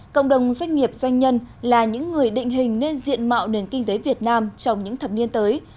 cộng đồng doanh nghiệp doanh nhân là những người định hình nên diện mạo nền kinh tế việt nam trong những thập niên tới